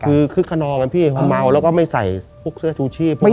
คือคือคณอมันพี่เฮ้อเมาแล้วก็ไม่ใส่พวกเสื้อซูชิพวกอะไร